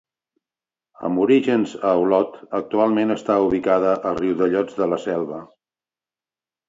Amb orígens a Olot, actualment està ubicada a Riudellots de la Selva.